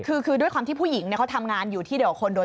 คือด้วยความที่ผู้หญิงเขาทำงานอยู่ที่เดียวกับคนโดย